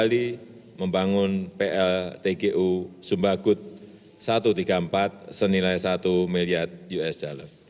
bali membangun pl tgu sumbagut satu ratus tiga puluh empat senilai satu miliar usd